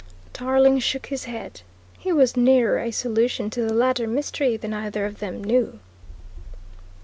Tarling shook his head. He was nearer a solution to the latter mystery than either of them knew.